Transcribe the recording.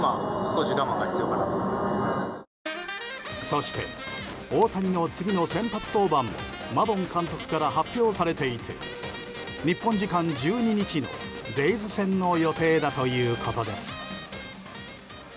そして、大谷の次の先発登板もマドン監督から発表されていて日本時間１２日のレイズ戦の予定だということです。